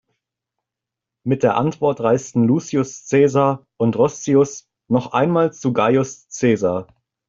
Mit der Antwort reisten Lucius Caesar und Roscius noch einmal zu Gaius Caesar.